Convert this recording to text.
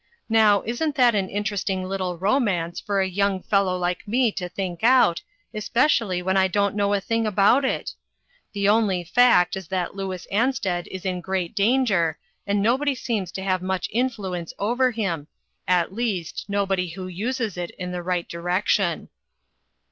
Now, isn't that an interesting little romance for a young fellow like me to think out, especially when I don't know a thing about it? The only fact is that Louis Ansted is in great danger, and nobody seems to have much influence over him at least, nobody who uses it in the right direction."